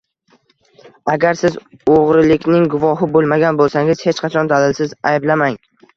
Agar siz o‘g‘rilikning guvohi bo‘lmagan bo‘lsangiz, hech qachon dalilsiz ayblamang.